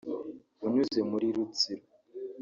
unyuze muri Rutsiro